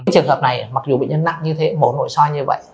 thì ngày hôm nay không có bệnh nhân nặng như thế mổ nội soi như vậy